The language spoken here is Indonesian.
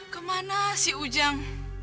kemana si ujang